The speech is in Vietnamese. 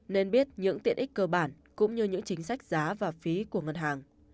nên biết những tiện ích cơ bản cũng như những chính sách giá và phí của ngân hàng